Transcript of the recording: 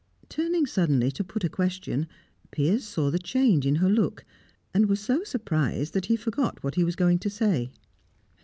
Turning suddenly to put a question, Piers saw the change in her look, and was so surprised that he forgot what he was going to say.